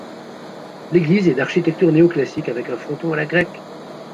L'église est d'architecture néo-classique avec un fronton à la grecque.